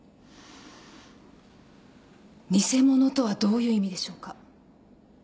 偽者とはどういう意味でしょうか？